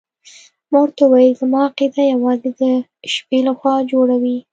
ما ورته وویل زما عقیده یوازې د شپې لخوا جوړه وي.